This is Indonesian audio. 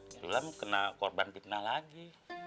sulam kena korban fitnah lagi